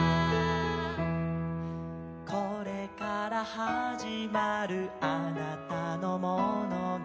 「これからはじまるあなたの物語」